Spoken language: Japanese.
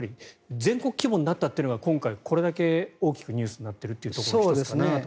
全国規模になったというのが今回これだけ大きくニュースになっている１つかなと。